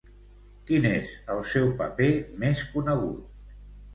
Quin és el seu paper més conegut?